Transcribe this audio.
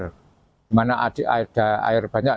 di mana ada air banyak